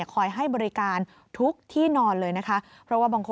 นอกจากนั้นคุณผู้ชมเรื่องของสิ่งอำนวยความสะดวก